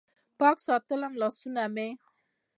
پاک ساتم لاسونه مې